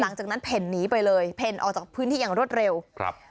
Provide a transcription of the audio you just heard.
หลังจากนั้นเพ่นหนีไปเลยเพ่นออกจากพื้นที่อย่างรวดเร็วครับ